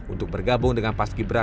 untuk bergabung dengan paski beraka